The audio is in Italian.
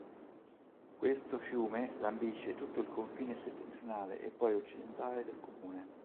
Questo fiume lambisce tutto il confine settentrionale e poi occidentale del comune.